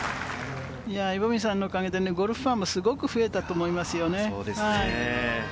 イ・ボミさんのおかげでゴルフファンもすごく増えたと思います。